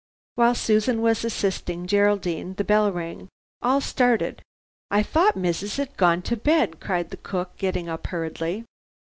While Susan was assisting Geraldine, the bell rang. All started. "I thought missus had gone to bed," cried the cook, getting up hurriedly.